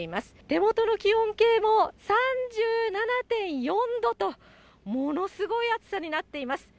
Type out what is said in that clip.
手元の気温計も３７．４度と、ものすごい暑さになっています。